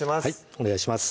お願いします